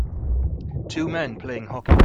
Two men playing hockey.